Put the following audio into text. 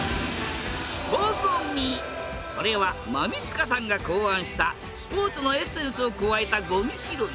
それは馬見塚さんが考案したスポーツのエッセンスを加えたごみ拾い。